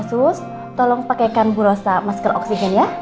sus tolong pakaikan bu rosa maskul oksigen ya